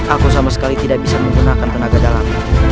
aku sama sekali tidak bisa menggunakan tenaga dalam